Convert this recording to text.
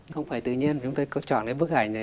không phải tự nhiên chúng tôi có chọn cái bức ảnh này